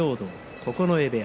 九重部屋